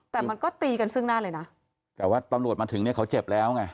แต่มันก็ตีกันซึ่งหน้าเลยนะแต่ว่าตำรวจมาถึงเนี่ยเขาเจ็บแล้วไง